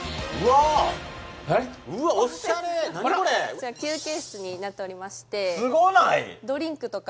こちら休憩室になっておりましてすごない？